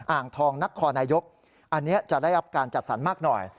อ่างทองนครนายกอันนี้จะได้รับการจัดสรรมากหน่อย